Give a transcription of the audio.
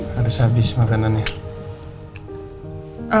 harus habis makanannya